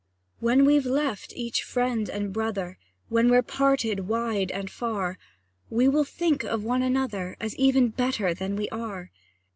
When we've left each friend and brother, When we're parted wide and far, We will think of one another, As even better than we are.